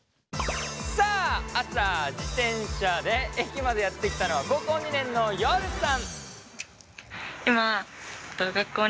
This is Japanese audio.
さあ朝自転車で駅までやって来たのは高校２年のヨルさん。